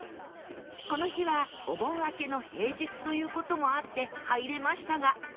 この日はお盆明けの平日という事もあって入れましたが